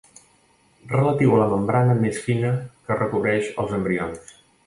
Relatiu a la membrana més fina que recobreix els embrions.